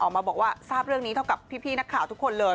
ออกมาบอกว่าทราบเรื่องนี้เท่ากับพี่นักข่าวทุกคนเลย